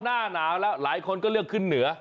หน้าหนาวแล้วหลายคนก็เลือกขึ้นเหนือ